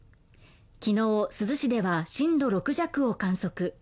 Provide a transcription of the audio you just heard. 昨日、珠洲市では震度６弱を観測。